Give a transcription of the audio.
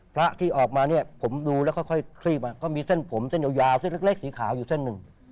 พระที่ออกมาเนี่ยผมดูแล้วค่อยคลีบก็มีเส้นผมเส้นยาวเส้นเล็กสีขาวอยู่เส้นหนึ่ง